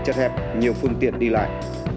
chật hẹp nhiều phương tiện đi lại